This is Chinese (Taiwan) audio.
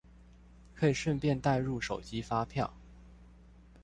可以順便帶入手機發票